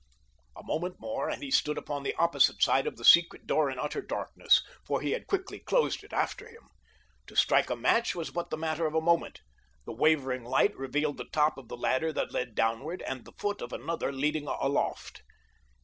A moment more and he stood upon the opposite side of the secret door in utter darkness, for he had quickly closed it after him. To strike a match was but the matter of a moment. The wavering light revealed the top of the ladder that led downward and the foot of another leading aloft.